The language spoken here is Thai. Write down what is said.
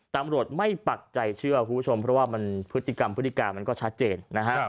ตำรวจไม่ปักใจเชื่อคุณผู้ชมเพราะว่าพฤติกรรมก็ชัดเจน